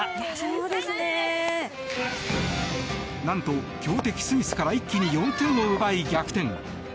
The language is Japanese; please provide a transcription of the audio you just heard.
何と、強敵スイスから一気に４点を奪い、逆転。